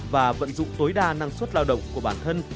và vận dụng tối đa năng suất lao động của bản thân